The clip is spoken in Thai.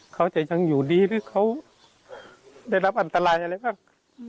เขาจะยังอยู่ดีหรือเขาได้รับอันตรายอะไรบ้าง